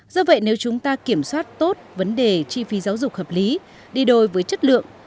do vậy nếu chúng ta kiểm soát tốt vấn đề chi phí giáo dục hợp lý đi đôi với chất lượng